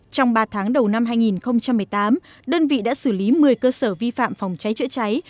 trong ba tháng đầu năm hai nghìn một mươi tám đơn vị đã xử lý một mươi cơ sở vi phạm phòng cháy chữa cháy